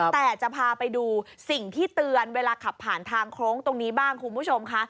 แต่จะพาไปดูสิ่งที่เตือนเวลาขับผ่านทางโค้งตรงนี้บ้างคุณผู้ชมค่ะ